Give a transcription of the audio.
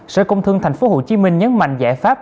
sở công thương tp hcm nhấn mạnh giải pháp